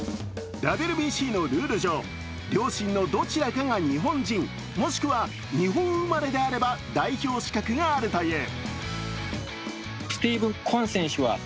ＷＢＣのルール上、両親のどちらかが日本人もしくは日本生まれであれば代表資格があるという。